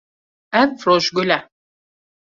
Ev rojgul e.